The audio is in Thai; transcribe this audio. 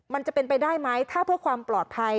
มันจะเป็นไปได้ไหมถ้าเพื่อความปลอดภัย